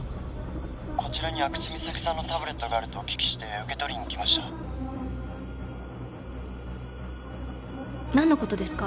こちらに阿久津実咲さんのタブレットがあるとお聞きして受け取りに来ました何のことですか？